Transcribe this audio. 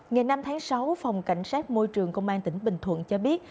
ngày năm tháng sáu phòng cảnh sát môi trường công an tỉnh bình thuận cho biết